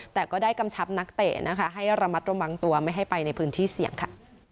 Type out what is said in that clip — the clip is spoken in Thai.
แต่ก็ได้กำชับนักเตะนะคะให้ระมัดระวังตัวไม่ให้ไปในพื้นที่เสี่ยงค่ะ